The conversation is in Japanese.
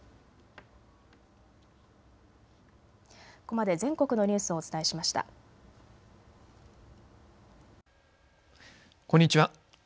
こんにちは。